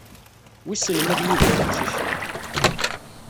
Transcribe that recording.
Wissen ma ad yidir uqcic-nni?